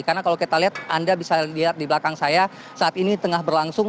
karena kalau kita lihat anda bisa lihat di belakang saya saat ini tengah berlangsung